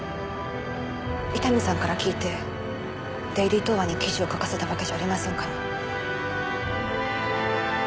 伊丹さんから聞いてデイリー東和に記事を書かせたわけじゃありませんから。